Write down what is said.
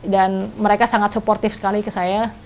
dan mereka sangat suportif sekali ke saya